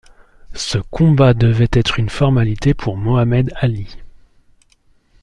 Ce combat devait être une formalité pour Mohamed Ali.